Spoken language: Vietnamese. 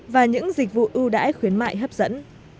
và những dịch vụ ưu đãi khuyến mại hấp dẫn